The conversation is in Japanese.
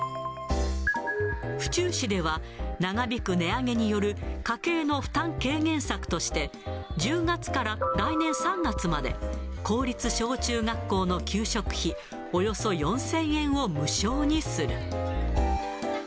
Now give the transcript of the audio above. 府中市では、長引く値上げによる家計の負担軽減策として、１０月から来年３月まで、公立小中学校の給食費およそ４０００円を無償にする。